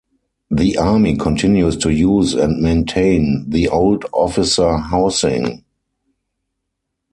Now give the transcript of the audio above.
The Army continues to use and maintain the old officer housing.